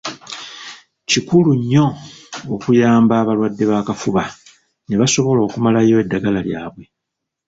Kikulu nnyo okuyamba abalwadde b’akafuba ne basobola okumalayo eddagala lyabwe.